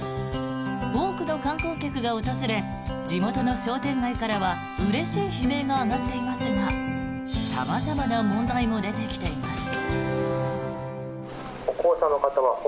多くの観光客が訪れ地元の商店街からはうれしい悲鳴が上がっていますが様々な問題も出てきています。